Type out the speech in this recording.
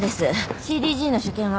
ＣＴＧの所見は？